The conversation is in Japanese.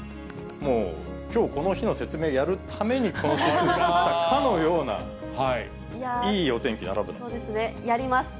もう、きょうこの日の説明やるためにこの指数作ったかのようやります。